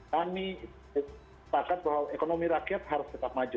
kami sepakat bahwa ekonomi rakyat harus tetap maju